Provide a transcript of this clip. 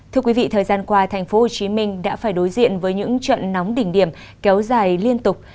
thưa quý vị thời gian qua thành phố hồ chí minh đã phải đối diện với những trận nóng đỉnh điểm kéo dài liên tục